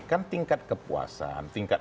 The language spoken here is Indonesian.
kan tingkat kepuasan tingkat